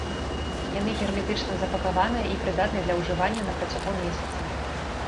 Яны герметычна запакаваныя і прыдатныя для ўжывання на працягу месяца.